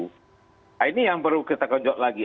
nah ini yang perlu kita konjok lagi